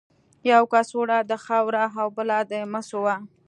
یوه کڅوړه د خاورو او بله د مسو وه.